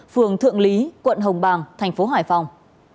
phường thượng lý quận hồng bàng thành phố hải phòng